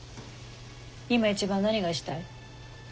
今一番何がしたい？